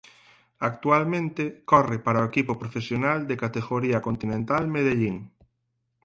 Actualmente corre para o equipo profesional de categoría continental Medellín.